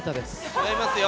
違いますよ。